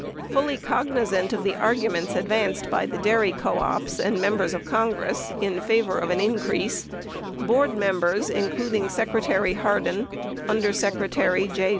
Fully cognizant of the arguments advanced by the dairy co ops and Members of Con gress in favor of an increase, Board members, including Secretary Hardin, Under Secretary J.